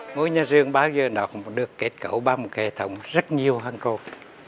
ngôi nhà rường bao giờ nó không được kết cấu bằng một hệ thống rất nhiều hàng cột